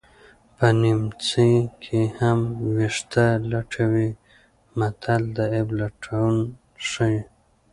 په نیمڅي کې هم ویښته لټوي متل د عیب لټون ښيي